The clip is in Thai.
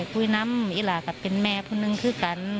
และจะได้ผนอย่างเติมตอน